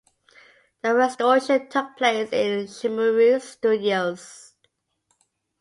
The restoration took place in Shemaroo studios.